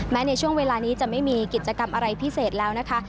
ในช่วงเวลานี้จะไม่มีกิจกรรมอะไรพิเศษแล้วนะคะ